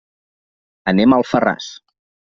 Anem a Alfarràs.